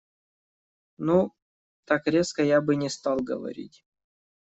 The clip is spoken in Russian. Ну, так резко я бы не стал говорить.